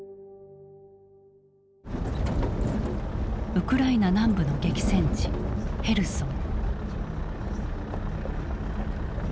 ウクライナ南部の激戦地ヘルソン。